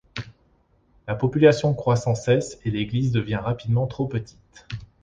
La population croit sans cesse et l'église devient rapidement trop petite.